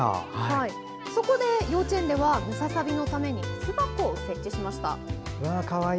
そこで、幼稚園ではムササビのために巣箱を設置しました。